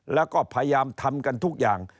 แล้วก็พยายามทำกันทุกอย่าง